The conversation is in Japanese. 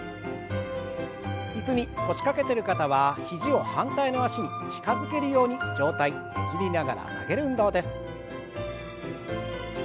椅子に腰掛けてる方は肘を反対の脚に近づけるように上体ねじりながら曲げる運動です。